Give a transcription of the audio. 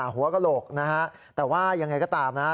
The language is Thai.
หัวกระโหลกนะฮะแต่ว่ายังไงก็ตามนะฮะ